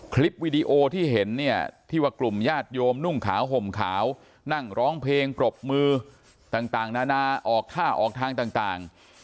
คลิปวีดีโอที่เห็นเนี่ยที่ว่ากลุ่มญาติโยมนุ่งขาวห่มขาวนั่งร้องเพลงปรบมือต่างนานาออกท่าออกทางต่าง